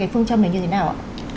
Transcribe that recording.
phương châm này như thế nào